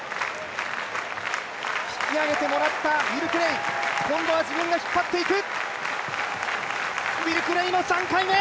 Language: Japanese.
引き上げてもらったウィル・クレイ今度は自分が引っ張っていく。